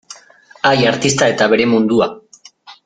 Ai, artista eta bere mundua.